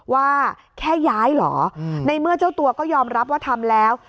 ว่าแค่ย้ายเหรอในเมื่อเจ้าตัวก็ยอมรับว่าทำแล้ว